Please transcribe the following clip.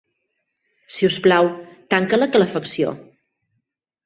Si us plau, tanca la calefacció.